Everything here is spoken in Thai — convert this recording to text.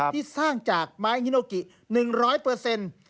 ที่สร้างจากไม้ฮิโนกิ๑๐๐เปอร์เซ็นต์